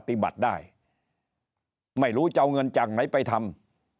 ปฏิบัติได้ไม่รู้จะเอาเงินจากไหนไปทำ